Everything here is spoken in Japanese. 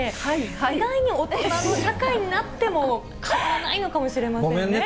意外に大人の社会になっても、変わらないのかもしれませんね。